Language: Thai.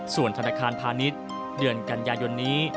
ส่วนธนาคารพาณิชย์เดือนกันยายนนี้